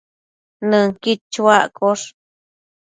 Nënquid chuaccosh